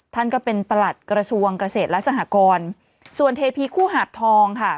ท่านก็เป็นประหลัดกระทรวงเกษตรและสหกรส่วนเทพีคู่หาดทองค่ะ